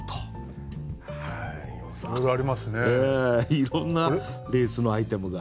いろんなレースのアイテムが。